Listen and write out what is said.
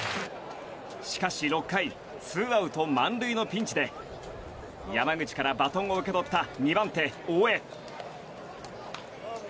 しかし、６回ツーアウト満塁のピンチで山口からバトンを受け取った２番手、大江。